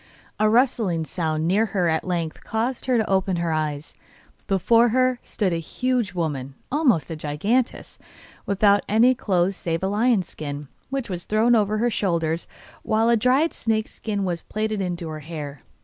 A rustling sound near her at length caused her to open her eyes; before her stood a huge woman, almost a giantess, without any clothes save a lion's skin, which was thrown over her shoulders, while a dried snake's skin was plaited into her hair.